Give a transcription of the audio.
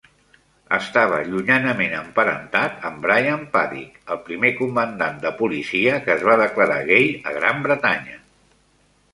Estava llunyanament emparentat amb Brian Paddick, el primer comandant de policia que es va declarar gai a Gran Bretanya.